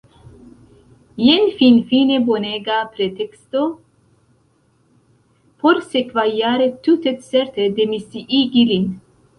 Jen – finfine bonega preteksto por sekvajare tute certe demisiigi lin.